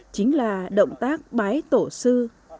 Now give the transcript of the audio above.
chính là động tác bái tổ sư